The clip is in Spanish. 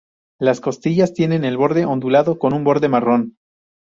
Las costillas tienen el borde ondulado con un borde marrón.